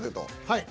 はい。